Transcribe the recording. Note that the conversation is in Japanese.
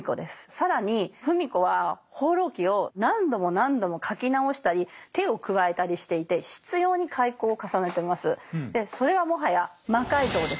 更に芙美子は「放浪記」を何度も何度も書き直したり手を加えたりしていてそれはもはや「魔改造」です。